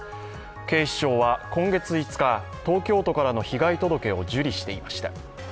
警視庁は今月５日東京都からの被害届を受理していました。